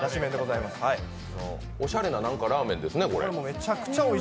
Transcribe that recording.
おしゃれなラーメンですね、これ。